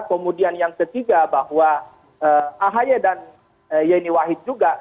kemudian yang ketiga bahwa ahi dan yeni wahid juga